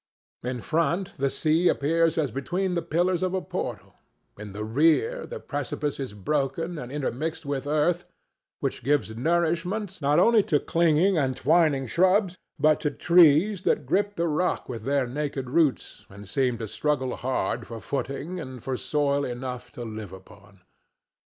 In front the sea appears as between the pillars of a portal; in the rear the precipice is broken and intermixed with earth which gives nourishment not only to clinging and twining shrubs, but to trees that grip the rock with their naked roots and seem to struggle hard for footing and for soil enough to live upon.